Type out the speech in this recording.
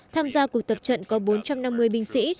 tham gia cuộc tập trận có bốn trăm năm mươi binh sĩ